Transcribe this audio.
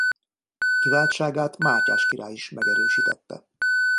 Kiváltságát Mátyás király is megerősítette.